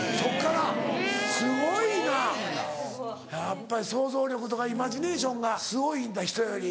やっぱり想像力とかイマジネーションがすごいんだ人より。